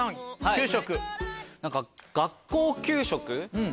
給食。